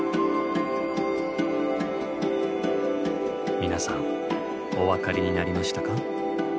皆さんお分かりになりましたか？